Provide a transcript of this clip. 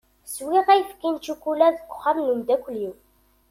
Swiɣ ayefki s cikula deg uxxam n umdakkel-iw.